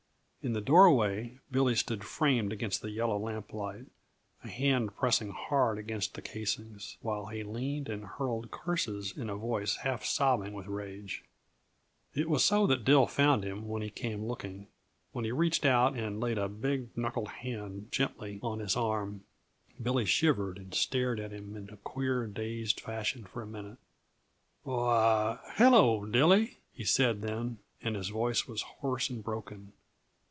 In the doorway, Billy stood framed against the yellow lamplight, a hand pressing hard against the casings while he leaned and hurled curses in a voice half sobbing with rage. It was so that Dill found him when he came looking. When he reached out and laid a big knuckled hand gently on his arm, Billy shivered and stared at him in a queer, dazed fashion for a minute. "Why hello, Dilly!" he said then, and his voice was hoarse and broken.